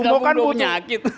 maksud gabung dua penyakit